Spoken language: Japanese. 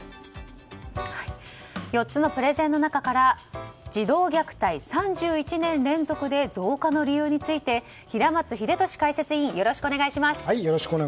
４つのプレゼンの中から児童虐待、３１年連続で増加の理由について平松秀敏解説委員よろしくお願いします。